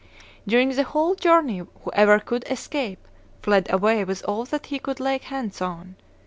During the whole journey whoever could escape fled away with all that he could lay hands on.